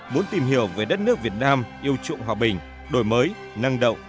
muốn tìm hiểu về đất nước việt nam yêu trụng hòa bình đổi mới năng động